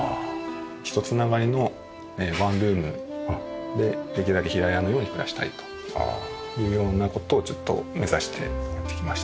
ひと繋がりのワンルームでできるだけ平屋のように暮らしたいというような事をちょっと目指してやってきました。